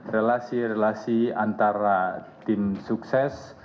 relasi relasi antara tim sukses